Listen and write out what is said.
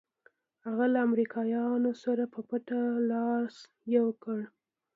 هغه له امریکایانو سره په پټه لاس یو کړ.